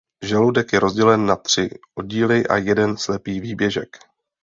Žaludek je rozdělen na tři oddíly a jeden slepý výběžek.